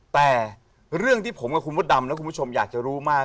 แต่เรื่องที่ผมกับคุณมดดำและคุณผู้ชมอยากจะรู้มาก